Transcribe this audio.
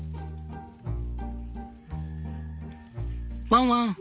ワンワン。